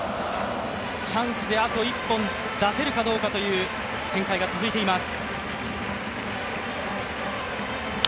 チャンスであと１本出せるかどうかという展開が続いています。